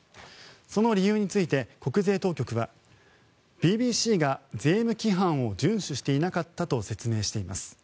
その理由について、国税当局はＢＢＣが税務規範を順守していなかったと説明しています。